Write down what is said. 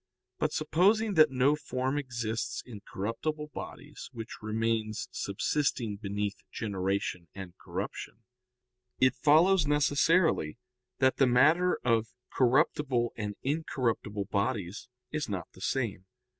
But supposing that no form exists in corruptible bodies which remains subsisting beneath generation and corruption, it follows necessarily that the matter of corruptible and incorruptible bodies is not the same.